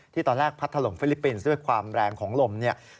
ที่ตอนแรกพัดถลงฟิลิปปินส์ด้วยความแรงของลม